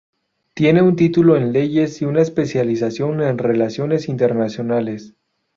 Tiene un título en Leyes y una especialización en Relaciones Internacionales.